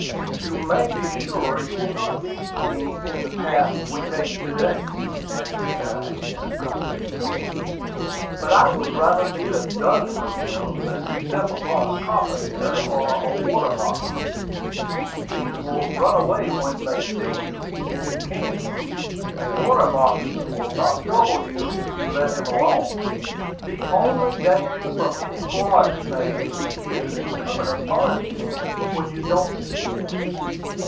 "You may be sure you will not meet any in the paths we take to day," added the guide in a comforting tone. "But I would rather meet a dozen of them than step upon a copperhead or a water moccasin. These will run away when they see you, if they can. The water moccasin will not trouble you if you let him alone. The only danger from any Florida snake is in coming upon him when you don't see him."